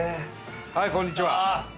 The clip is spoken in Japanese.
はいこんにちは。